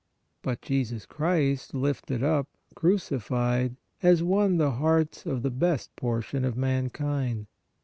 But Jesus Christ " lifted up," crucified, has won the hearts of the best portion of mankind.